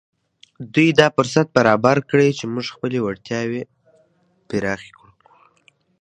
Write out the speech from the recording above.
دوی دا فرصت برابر کړی چې موږ خپلې وړتیاوې پراخې کړو